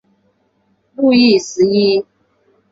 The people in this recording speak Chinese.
路易十一。